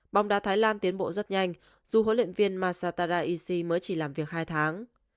bóng đá thái lan tiến bộ rất nhanh dù huấn luyện viên masatara isi mới chỉ làm việc hai tháng